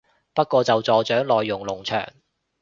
不過就助長內容農場